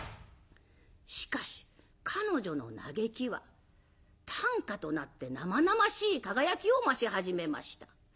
しかし彼女の嘆きは短歌となって生々しい輝きを増し始めました。